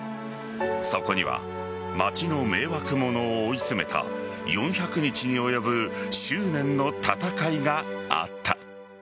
そこには街の迷惑者を追い詰めた４００日に及ぶ執念の闘いがあった。